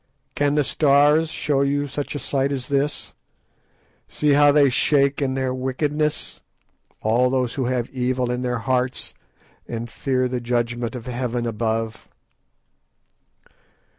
"Can the Stars show you such a sight as this? See how they shake in their wickedness, all those who have evil in their hearts and fear the judgment of 'Heaven above.